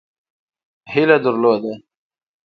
هیله درلوده.